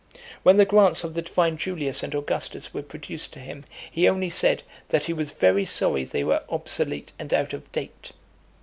When the grants of the Divine Julius and Augustus were produced to him, he only said, that he was very sorry they were obsolete and out of date.